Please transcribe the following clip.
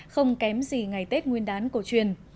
không kém gì ngày tết nguyên đán cổ truyền